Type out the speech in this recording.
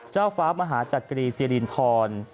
เจ้าฟ้ามหาจักรีเซียรีนทร